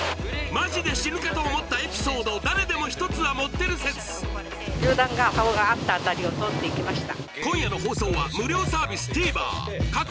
マジで死ぬかと思ったエピソード誰でも１つは持ってる説銃弾が顔があった辺りを通っていきました